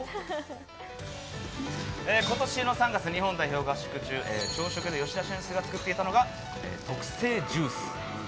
今年の３月、日本代表合宿中、朝食で吉田選手が作っていたのが特製ジュース。